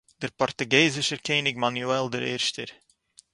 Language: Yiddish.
דער פּאָרטוגעזישער קעניג מאַנועל דער ערשטער